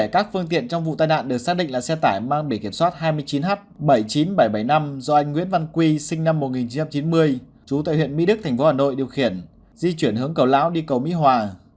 các phương tiện trong vụ tai nạn được xác định là xe tải mang bề kiểm soát hai mươi chín h bảy mươi chín nghìn bảy trăm bảy mươi năm do anh nguyễn văn quy sinh năm một nghìn chín trăm chín mươi trú tại huyện mỹ đức thành phố hà nội điều khiển di chuyển hướng cầu lão đi cầu mỹ hòa